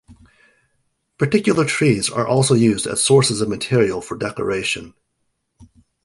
Particular trees are also used as sources of material for decoration.